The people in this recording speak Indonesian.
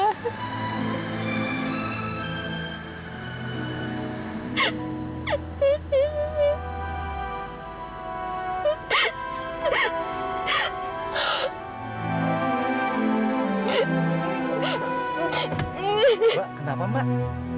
mbak kenapa mak